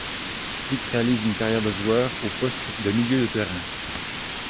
Flick réalise une carrière de joueur au poste de milieu de terrain.